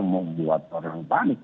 mau buat orang panik